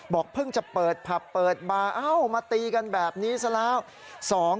บอกเพิ่งจะเปิดผับเปิดมาเอ้าวมาตีกันแบบนี้แสดง